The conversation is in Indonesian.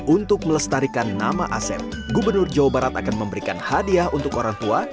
untuk melestarikan nama asep gubernur jawa barat akan memberikan hadiah untuk orang tua